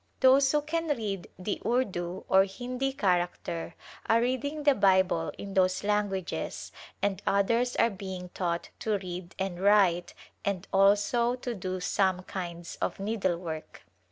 Those who can read the Urdu or Hindi character are reading the Bible in those languages and others are being taught to read and write and also to do some kinds of needlework.